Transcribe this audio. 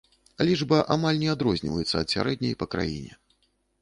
Лічба амаль не адрозніваецца ад сярэдняй па краіне.